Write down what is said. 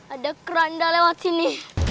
ada keranda lewat sini